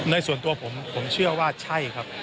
ส่วนตัวผมผมเชื่อว่าใช่ครับ